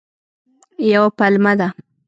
یوه پلمه ده.